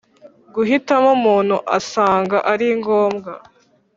guhitamo umuntu asanga ari ngombwa